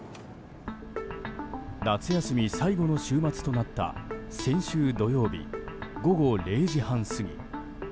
夏休み最後の週末となった先週土曜日午後０時半過ぎ。